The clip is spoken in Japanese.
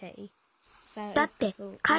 だってかい